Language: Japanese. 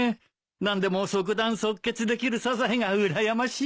何でも即断即決できるサザエがうらやましいよ。